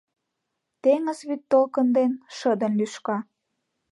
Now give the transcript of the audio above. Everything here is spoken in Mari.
Теҥыз вӱд толкын ден шыдын лӱшка